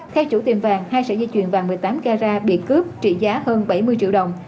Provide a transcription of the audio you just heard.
theo chủ tiệm vàng hai sợi dây chuyền vàng một mươi tám carat bị cướp trị giá hơn bảy mươi triệu đồng